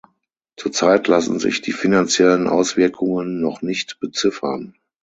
Zurzeit lassen sich die finanziellen Auswirkungen noch nicht beziffern.